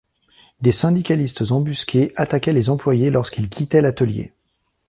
Des syndicalistes embusqués attaquaient les employés lorsqu’ils quittaient l’atelier.